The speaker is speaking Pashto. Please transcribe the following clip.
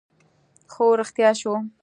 خو رښتيا شو